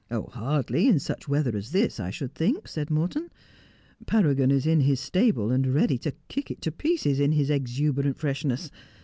'Hardly, in such weather as this, I should think,' said Morton. 'Paragon is in his stable, and ready to kick it to pieces in his exuberant freshness.